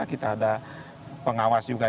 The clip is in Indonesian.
kita ada pengawas juga